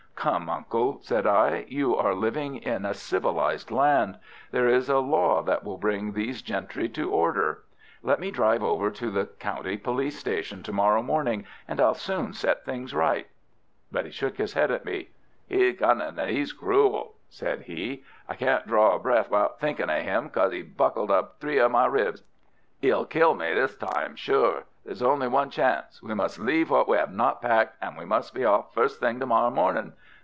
"Come, uncle," said I, "you are living in a civilized land. There is a law that will bring these gentry to order. Let me drive over to the county police station to morrow morning and I'll soon set things right." But he shook his head at me. "E's cunning and 'e's cruel," said he. "I can't draw a breath without thinking of him, cos 'e buckled up three of my ribs. 'e'll kill me this time, sure. There's only one chance. We must leave what we 'ave not packed, and we must be off first thing to morrow mornin'.